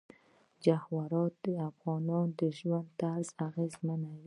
جواهرات د افغانانو د ژوند طرز اغېزمنوي.